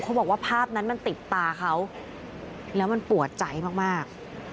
บอกว่าภาพนั้นมันติดตาเขาแล้วมันปวดใจมาก